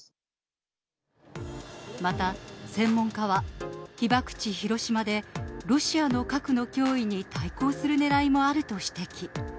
また、専門家は被爆地、広島で、ロシアの核の脅威に対抗するねらいもあると指摘。